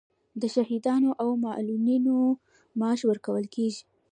د شهیدانو او معلولینو معاش ورکول کیږي؟